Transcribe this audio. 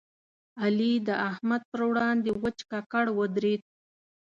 علي د احمد پر وړاندې وچ ککړ ودرېد.